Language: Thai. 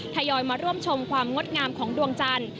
ทยอยมาร่วมชมความงดงามของดวงจันทร์